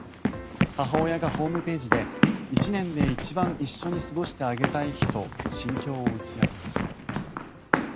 母親がホームページで１年で一番一緒に過ごしてあげたい日と心境を打ち明けました。